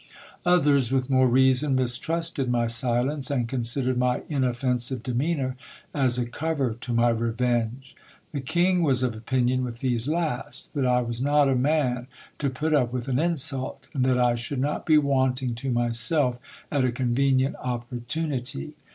Others, with more reason, mistrusted my silence, and considered my inoffensive demeanour as a cover to my revenge. The King was of opinion with these last, that I was not a man to put up with an insult, and that I should not be wanting to myself at a convenient opportu nity.